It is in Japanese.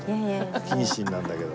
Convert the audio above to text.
不謹慎なんだけど。